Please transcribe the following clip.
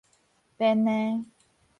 編的